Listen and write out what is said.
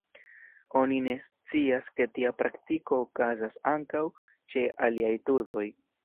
Oni ne scias, ke tia praktiko okazas ankaŭ ĉe aliaj turdoj.